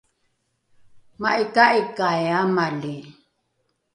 ma’ika’ikai amali